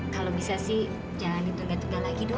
kalau bisa sih jangan ditunggu tunggu lagi dok